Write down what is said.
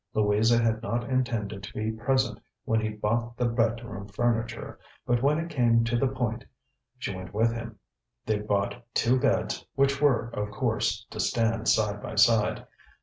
Louisa had not intended to be present when he bought the bedroom furniture, but when it came to the point she went with him. They bought two beds, which were, of course, to stand side by side.